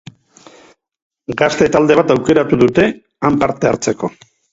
Gazte talde bat aukeratu dute han parte hartzeko.